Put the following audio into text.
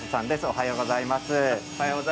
おはようございます。